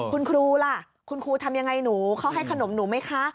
คุณครูล่ะคุณครูทำยังไงหนูเขาให้ขนมหนูไหมคะ